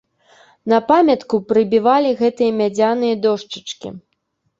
На памятку прыбівалі гэтыя мядзяныя дошчачкі.